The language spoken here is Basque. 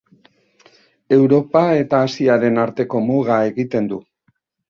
Europa eta Asiaren arteko muga egiten du.